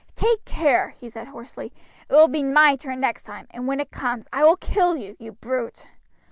"Take care!" he said hoarsely, "it will be my turn next time, and when it comes I will kill you, you brute."